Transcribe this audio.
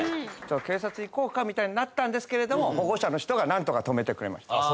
警察行こうか？みたいになったんですけれども保護者の人がなんとか止めてくれました。